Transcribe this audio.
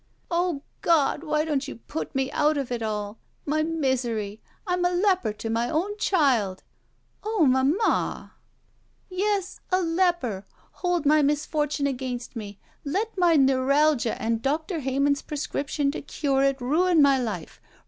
"O God! why don't you put me out of it all? My misery! I'm a leper to my own child!" "Oh — ^mamma —!" "Yes, a lq)er. Hold my misfortune against me. Let my neuralgia and Doctor Heyman's prescrip tion to cure it ruin my life.